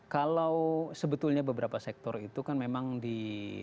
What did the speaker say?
kalau sebetulnya beberapa sektor itu kan memang di